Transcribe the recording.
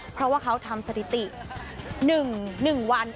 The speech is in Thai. เพราะว่าเขาทำสถิติ๑๑วัน